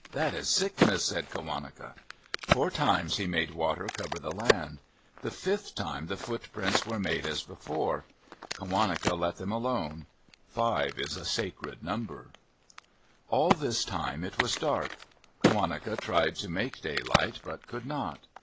That is sickness," said Qawaneca. Four times he made water cover the land. The fifth time the footprints were made as before. Qawaneca let them alone. Five is a sacred number. All this time it was dark. Qawaneca tried to make daylight, but could not.